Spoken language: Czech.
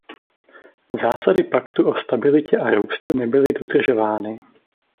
Zásady Paktu o stabilitě a růstu nebyly dodržovány.